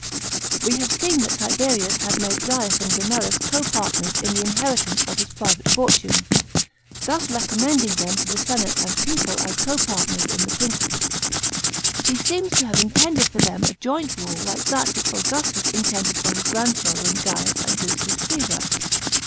§ 1. WE have seen that Tiberius had made Gaius and Gemellus co partners in the inheritance of his private fortune, thus re commending them to the senate and people as co partners in the Principate. He seems to have intended for them a joint rule like that which Augustus intended for his grandchildren Gaius ant? Lucius Caesar.